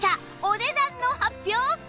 お値段の発表！